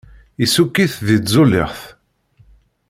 Issukk-it di tzulixt.